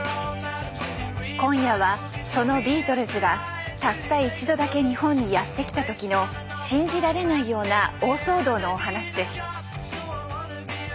今夜はそのビートルズがたった一度だけ日本にやってきた時の信じられないような大騒動のお話です。